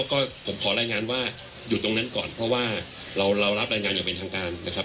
ก็ผมขอรายงานว่าอยู่ตรงนั้นก่อนเพราะว่าเรารับรายงานอย่างเป็นทางการนะครับ